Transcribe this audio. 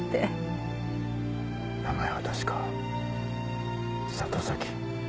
名前は確か里崎。